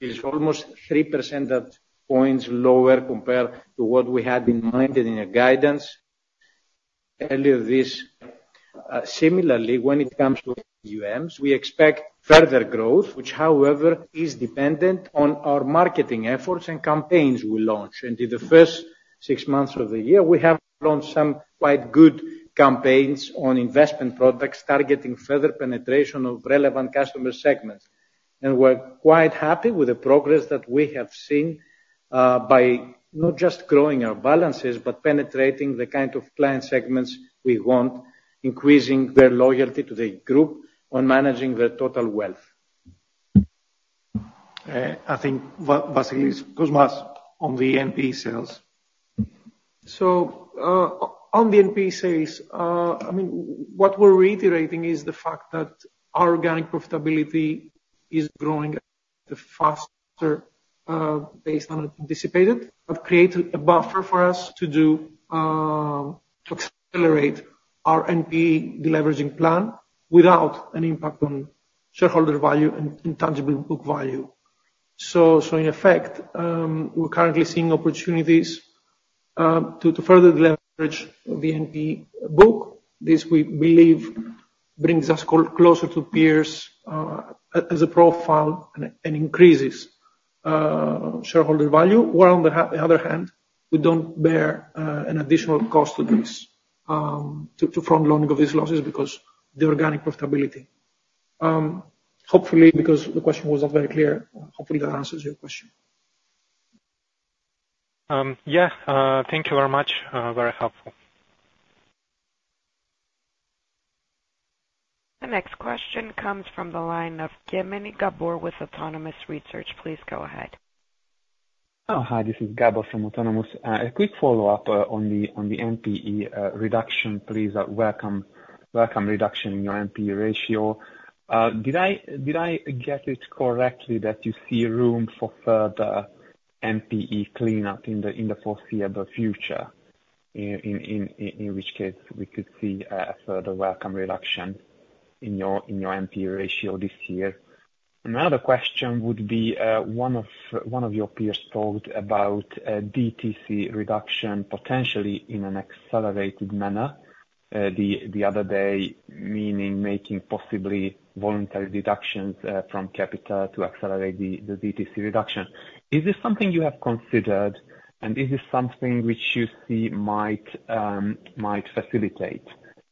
is almost 3% points lower compared to what we had in mind and in our guidance earlier this. Similarly, when it comes to AUMs, we expect further growth, which, however, is dependent on our marketing efforts and campaigns we launch. And in the first six months of the year, we have launched some quite good campaigns on investment products targeting further penetration of relevant customer segments. And we're quite happy with the progress that we have seen by not just growing our balances, but penetrating the kind of client segments we want, increasing their loyalty to the group on managing their total wealth. I think Vassilios Kosmas on the NPE sales. So on the NPE sales, I mean, what we're reiterating is the fact that our organic profitability is growing at a faster pace than anticipated, but creates a buffer for us to accelerate our NPE deleveraging plan without an impact on shareholder value and tangible book value. So in effect, we're currently seeing opportunities to further leverage the NPE book. This we believe brings us closer to peers as a profile and increases shareholder value. While on the other hand, we don't bear an additional cost to this to frontloading of these losses because of the organic profitability. Hopefully, because the question was not very clear, hopefully that answers your question. Yeah. Thank you very much. Very helpful. The next question comes from the line of Gabor Kemeny with Autonomous Research. Please go ahead. Oh, hi. This is Gabor from Autonomous. A quick follow-up on the NPE reduction. The welcome reduction in your NPE ratio. Did I get it correctly that you see room for further NPE cleanup in the foreseeable future, in which case we could see a further welcome reduction in your NPE ratio this year? Another question would be one of your peers talked about DTC reduction potentially in an accelerated manner the other day, meaning making possibly voluntary deductions from capital to accelerate the DTC reduction. Is this something you have considered, and is this something which you see might facilitate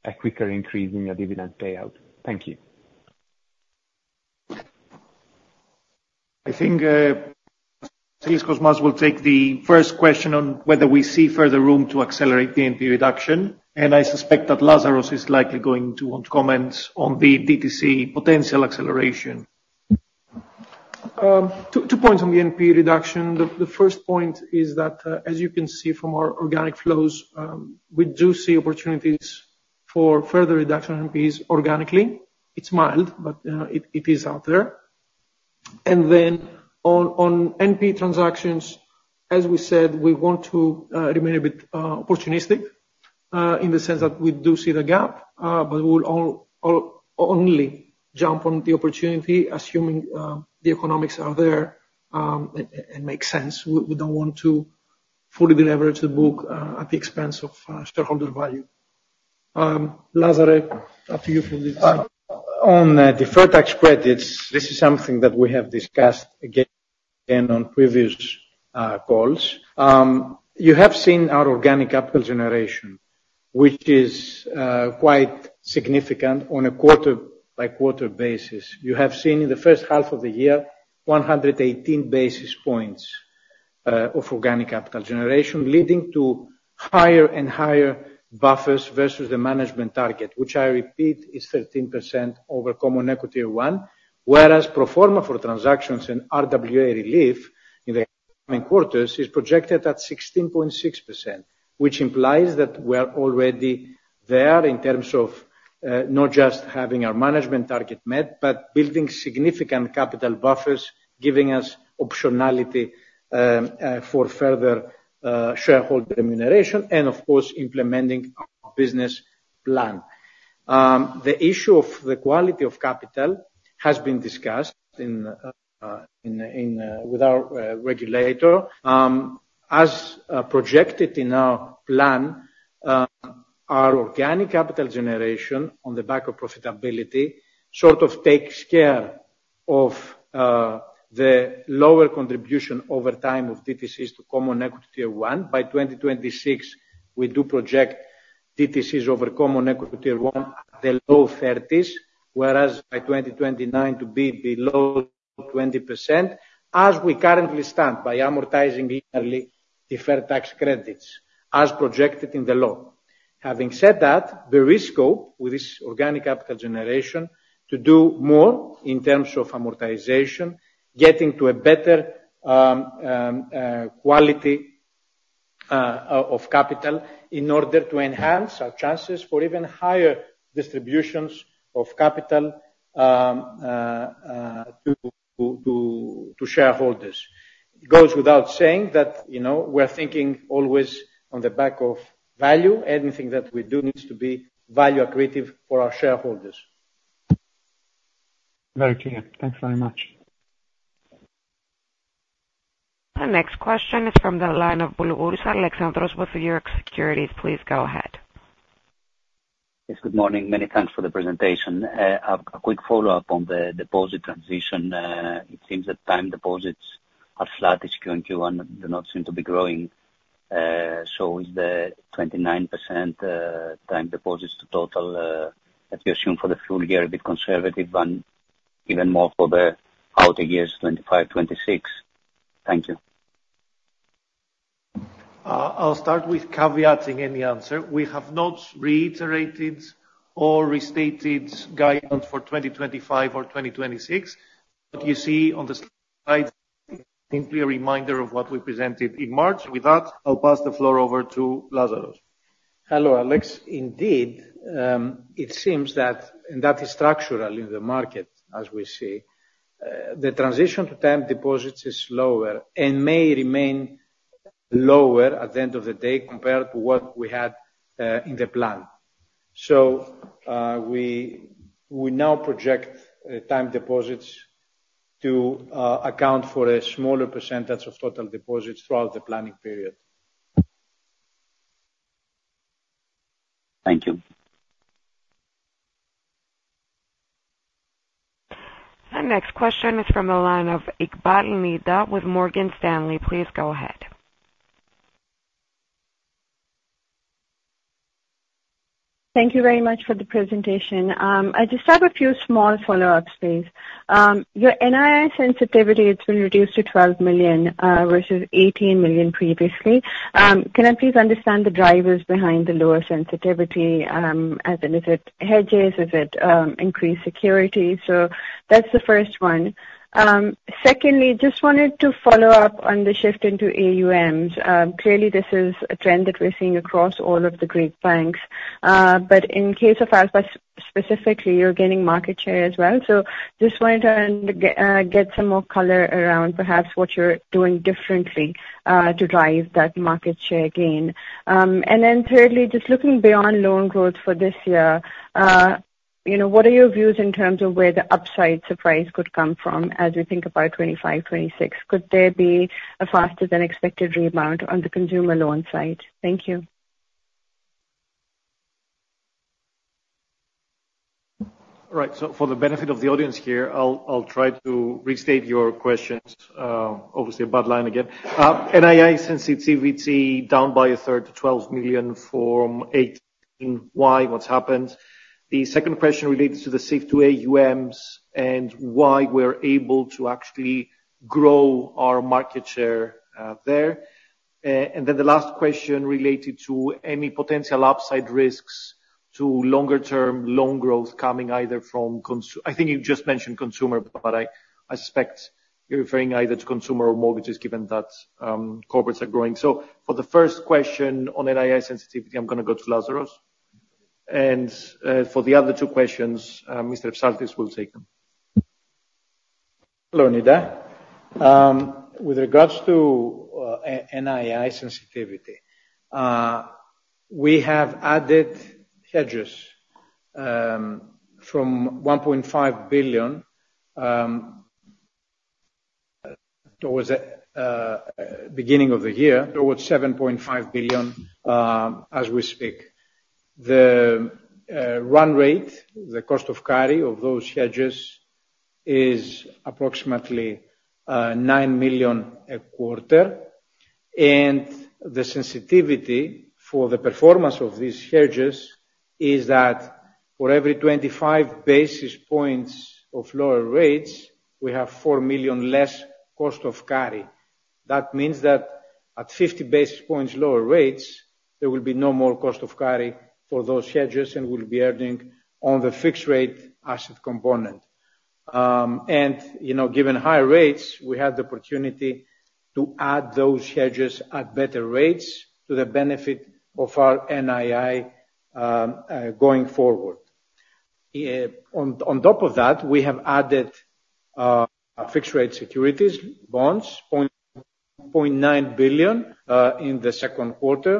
a quicker increase in your dividend payout? Thank you. I think Vassilios Kosmas will take the first question on whether we see further room to accelerate the NPE reduction. And I suspect that Lazaros is likely going to want comments on the DTC potential acceleration. Two points on the NPE reduction. The first point is that, as you can see from our organic flows, we do see opportunities for further reduction in NPEs organically. It's mild, but it is out there. And then on NPE transactions, as we said, we want to remain a bit opportunistic in the sense that we do see the gap, but we will only jump on the opportunity assuming the economics are there and make sense. We don't want to fully deliver to the book at the expense of shareholder value. Lazaros, up to you for this. On the deferred tax credits, this is something that we have discussed again on previous calls. You have seen our organic capital generation, which is quite significant on a quarter-by-quarter basis. You have seen in the first half of the year 118 basis points of organic capital generation, leading to higher and higher buffers versus the management target, which I repeat is 13% CET1, whereas pro forma for transactions and RWA relief in the coming quarters is projected at 16.6%, which implies that we are already there in terms of not just having our management target met, but building significant capital buffers, giving us optionality for further shareholder remuneration, and of course, implementing our business plan. The issue of the quality of capital has been discussed with our regulator. As projected in our plan, our organic capital generation on the back of profitability sort of takes care of the lower contribution over time of DTCs to CET1. By 2026, we do project DTCs over CET1 at the low 30s%, whereas by 2029 to be below 20%, as we currently stand by amortizing yearly deferred tax credits as projected in the law. Having said that, this gives scope with this organic capital generation to do more in terms of amortization, getting to a better quality of capital in order to enhance our chances for even higher distributions of capital to shareholders. It goes without saying that we're thinking always on the back of value. Anything that we do needs to be value accretive for our shareholders. Very clear. Thanks very much. The next question is from the line of Alexandros Boulougouris with Euroxx Securities. Please go ahead. Yes. Good morning. Many thanks for the presentation. A quick follow-up on the deposit transition. It seems that time deposits are flat this Q&Q and do not seem to be growing. So is the 29% time deposits to total that you assume for the full year a bit conservative and even more for the outer years, 2025, 2026? Thank you. I'll start with caveating any answer. We have not reiterated or restated guidance for 2025 or 2026. What you see on the slide is simply a reminder of what we presented in March. With that, I'll pass the floor over to Lazaros. Hello, Alex. Indeed, it seems that, and that is structural in the market, as we see, the transition to time deposits is slower and may remain lower at the end of the day compared to what we had in the plan. So we now project time deposits to account for a smaller percentage of total deposits throughout the planning period. Thank you. The next question is from the line of Nida Iqbal with Morgan Stanley. Please go ahead. Thank you very much for the presentation. I just have a few small follow-ups, please. Your NII sensitivity has been reduced to 12 million versus 18 million previously. Can I please understand the drivers behind the lower sensitivity? Is it hedges? Is it increased security? So that's the first one. Secondly, just wanted to follow up on the shift into AUMs. Clearly, this is a trend that we're seeing across all of the Greek banks. But in case of Alpha, specifically, you're gaining market share as well. So just wanted to get some more color around perhaps what you're doing differently to drive that market share gain. And then thirdly, just looking beyond loan growth for this year, what are your views in terms of where the upside surprise could come from as we think about 2025, 2026? Could there be a faster-than-expected rebound on the consumer loan side? Thank you. All right. So for the benefit of the audience here, I'll try to restate your questions. Obviously, a bad line again. NII sensitivity down by a third to 12 million from 18 million. Why? What's happened? The second question relates to the shift to AUMs and why we're able to actually grow our market share there. And then the last question related to any potential upside risks to longer-term loan growth coming either from consumer—I think you just mentioned consumer, but I suspect you're referring either to consumer or mortgages given that corporates are growing. So for the first question on NII sensitivity, I'm going to go to Lazaros. And for the other two questions, Mr. Psaltis will take them. Hello, Nida. With regards to NII sensitivity, we have added hedges from 1.5 billion towards the beginning of the year towards 7.5 billion as we speak. The run rate, the cost of carry of those hedges is approximately 9 million a quarter. And the sensitivity for the performance of these hedges is that for every 25 basis points of lower rates, we have 4 million less cost of carry. That means that at 50 basis points lower rates, there will be no more cost of carry for those hedges and we'll be earning on the fixed-rate asset component. And given high rates, we have the opportunity to add those hedges at better rates to the benefit of our NII going forward. On top of that, we have added fixed-rate securities, bonds, 0.9 billion in the second quarter,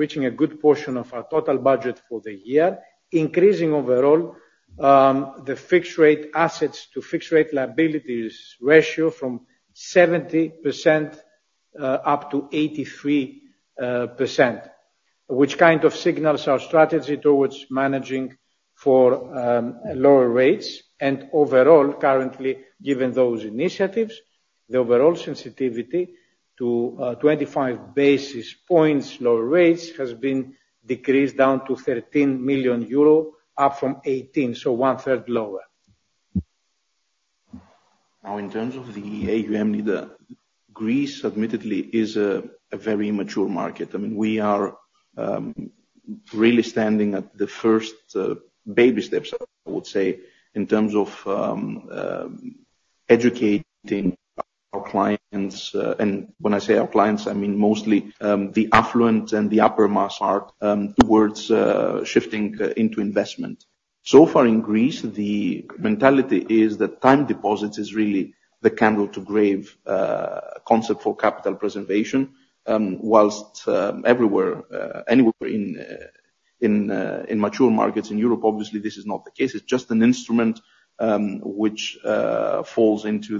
reaching a good portion of our total budget for the year, increasing overall the fixed-rate assets to fixed-rate liabilities ratio from 70% up to 83%, which kind of signals our strategy towards managing for lower rates. Overall, currently, given those initiatives, the overall sensitivity to 25 basis points lower rates has been decreased down to 13 million euro, up from 18 million, so one-third lower. Now, in terms of the AUM, Nida, Greece admittedly is a very immature market. I mean, we are really standing at the first baby steps, I would say, in terms of educating our clients. And when I say our clients, I mean mostly the affluent and the upper-mass part towards shifting into investment. So far in Greece, the mentality is that time deposits is really the candle to grave concept for capital preservation, while anywhere in mature markets in Europe, obviously, this is not the case. It's just an instrument which falls into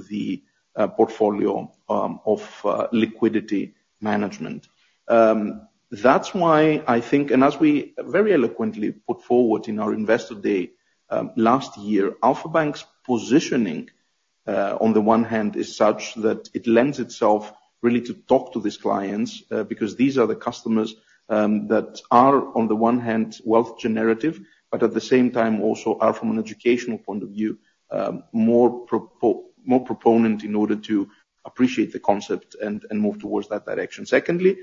the portfolio of liquidity management. That's why I think, and as we very eloquently put forward in our Investor Day last year, Alpha Bank's positioning on the one hand is such that it lends itself really to talk to these clients because these are the customers that are, on the one hand, wealth generative, but at the same time also are, from an educational point of view, more proponent in order to appreciate the concept and move towards that direction. Secondly,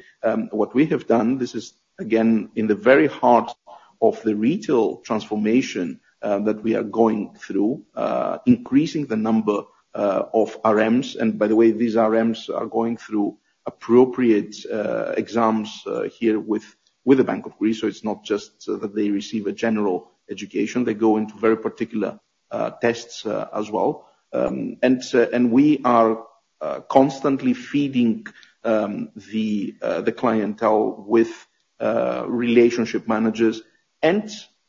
what we have done, this is again in the very heart of the retail transformation that we are going through, increasing the number of RMs. By the way, these RMs are going through appropriate exams here with the Bank of Greece. So it's not just that they receive a general education. They go into very particular tests as well. We are constantly feeding the clientele with relationship managers.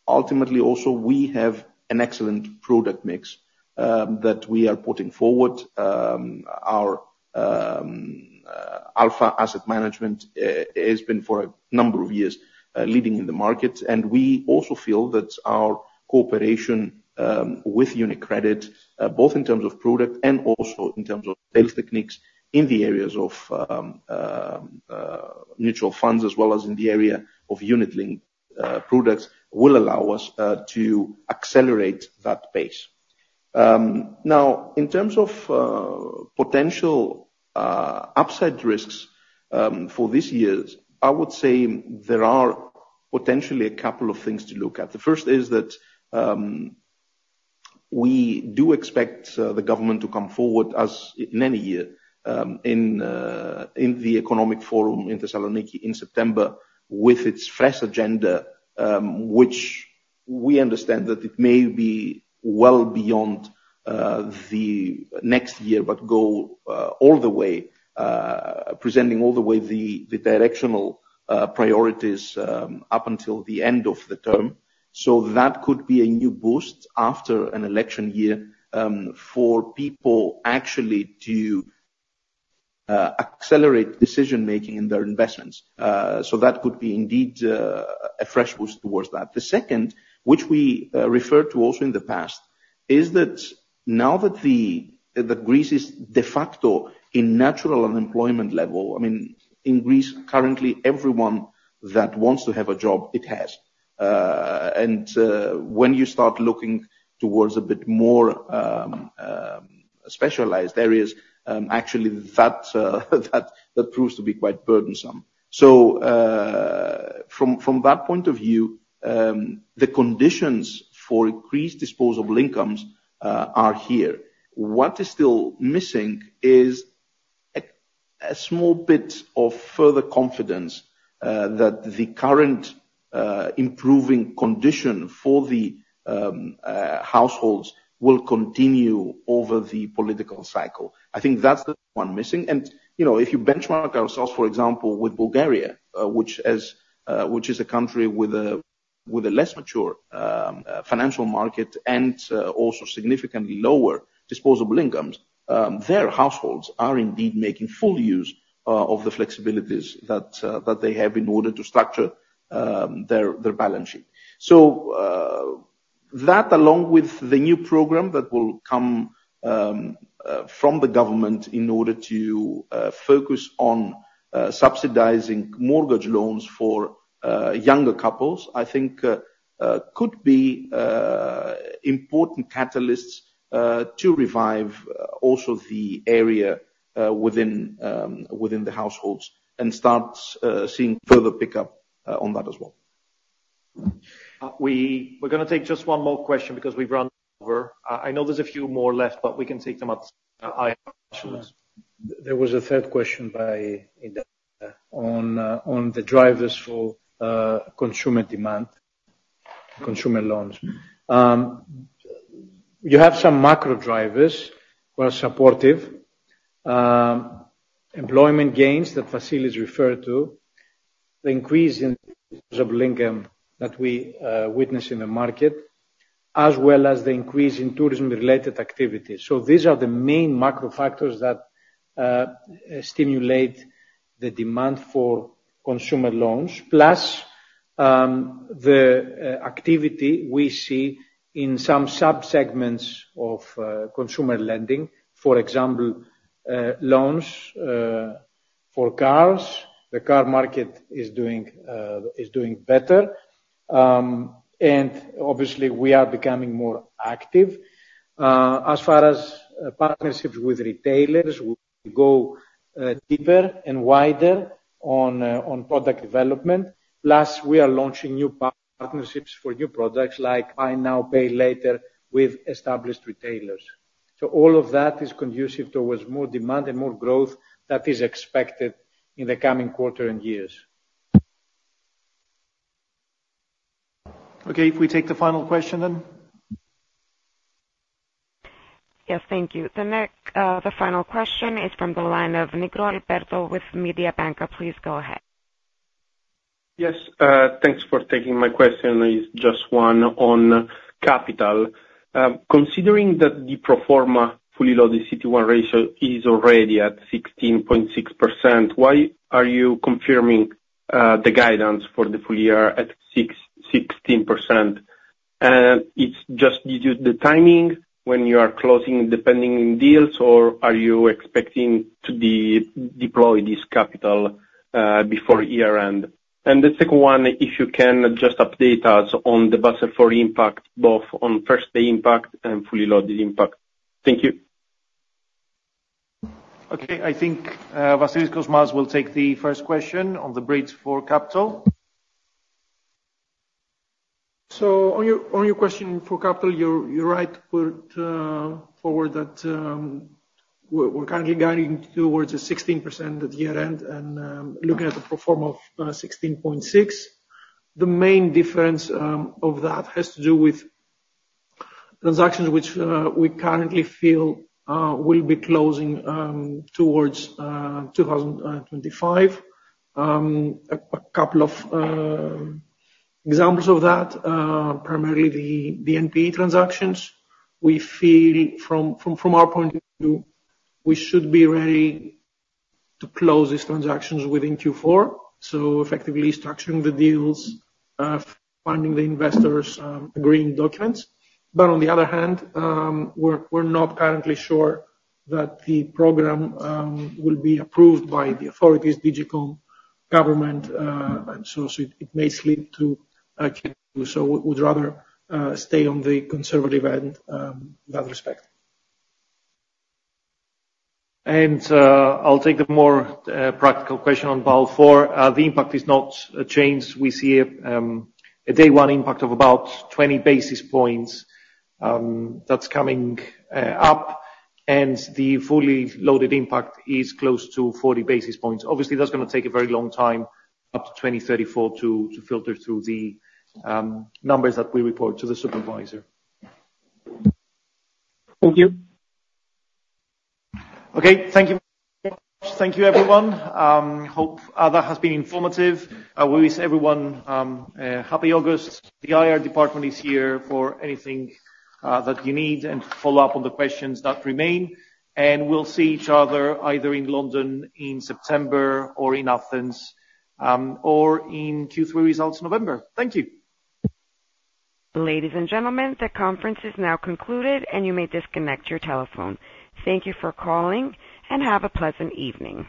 Ultimately, also, we have an excellent product mix that we are putting forward. Our Alpha Asset Management has been for a number of years leading in the market. We also feel that our cooperation with UniCredit, both in terms of product and also in terms of sales techniques in the areas of mutual funds as well as in the area of unit-linked products, will allow us to accelerate that pace. Now, in terms of potential upside risks for this year, I would say there are potentially a couple of things to look at. The first is that we do expect the government to come forward, as in any year, in the Economic Forum in Thessaloniki in September with its fresh agenda, which we understand that it may be well beyond the next year, but go all the way, presenting all the way the directional priorities up until the end of the term. So that could be a new boost after an election year for people actually to accelerate decision-making in their investments. So that could be indeed a fresh boost towards that. The second, which we referred to also in the past, is that now that Greece is de facto in natural unemployment level, I mean, in Greece, currently, everyone that wants to have a job, it has. And when you start looking towards a bit more specialized areas, actually, that proves to be quite burdensome. So from that point of view, the conditions for increased disposable incomes are here. What is still missing is a small bit of further confidence that the current improving condition for the households will continue over the political cycle. I think that's the one missing. And if you benchmark ourselves, for example, with Bulgaria, which is a country with a less mature financial market and also significantly lower disposable incomes, their households are indeed making full use of the flexibilities that they have in order to structure their balance sheet. So that, along with the new program that will come from the government in order to focus on subsidizing mortgage loans for younger couples, I think could be important catalysts to revive also the area within the households and start seeing further pickup on that as well. We're going to take just one more question because we've run over. I know there's a few more left, but we can take them up. There was a third question by Nida on the drivers for consumer demand, consumer loans. You have some macro drivers who are supportive: employment gains that Vassilios referred to, the increase in disposable income that we witness in the market, as well as the increase in tourism-related activity. So these are the main macro factors that stimulate the demand for consumer loans, plus the activity we see in some subsegments of consumer lending, for example, loans for cars. The car market is doing better. And obviously, we are becoming more active. As far as partnerships with retailers, we go deeper and wider on product development. Plus, we are launching new partnerships for new products like Buy Now Pay Later with established retailers. So all of that is conducive towards more demand and more growth that is expected in the coming quarter and years. Okay. If we take the final question then? Yes, thank you. The final question is from the line of Alberto Nigro with Mediobanca. Please go ahead. Yes. Thanks for taking my question. It's just one on capital. Considering that the pro forma fully loaded CET1 ratio is already at 16.6%, why are you confirming the guidance for the full year at 16%? And it's just due to the timing when you are closing the pending deals, or are you expecting to deploy this capital before year-end? And the second one, if you can just update us on the Basel IV impact, both on first phase impact and fully loaded impact. Thank you. Okay. I think Vassilios Kosmas will take the first question on the capital. So on your question for capital, you're right to put forward that we're currently guiding towards the 16% at year-end and looking at the pro forma of 16.6%. The main difference of that has to do with transactions which we currently feel will be closing towards 2025. A couple of examples of that, primarily the NPE transactions. We feel from our point of view, we should be ready to close these transactions within Q4. So effectively structuring the deals, finding the investors, agreeing documents. But on the other hand, we're not currently sure that the program will be approved by the authorities, DG COMP, government, and so on. So it may slip to Q2. So we'd rather stay on the conservative end in that respect. And I'll take the more practical question on Basel IV. The impact is not changed. We see a day-one impact of about 20 basis points that's coming up. The fully loaded impact is close to 40 basis points. Obviously, that's going to take a very long time, up to 2034, to filter through the numbers that we report to the supervisor. Thank you. Okay. Thank you. Thank you, everyone. Hope that has been informative. I wish everyone a happy August. The IR department is here for anything that you need and to follow up on the questions that remain. We'll see each other either in London in September or in Athens or in Q3 results in November. Thank you. Ladies and gentlemen, the conference is now concluded, and you may disconnect your telephone. Thank you for calling, and have a pleasant evening.